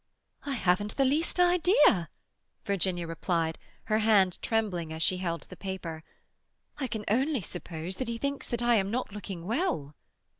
"I haven't the least idea," Virginia replied, her hand trembling as she held the paper. "I can only suppose that he thinks that I am not looking well."